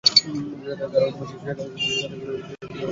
তাঁরা সেখান থেকে বেরিয়ে এসে ইশারা দেওয়ার পরই পাঁচ জঙ্গি ভেতরে ঢোকেন।